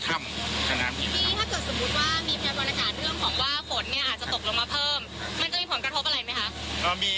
ถ้าเกิดสมมุติว่ามีพยานฐานเรื่องของว่าฝนเนี่ยอาจจะตกลงมาเพิ่มมันจะมีผลกระทบอะไรไหมคะ